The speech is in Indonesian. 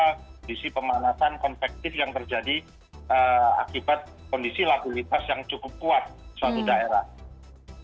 kondisi pemanasan konvektif yang terjadi akibat kondisi lagulitas yang cukup kuat suatu daerah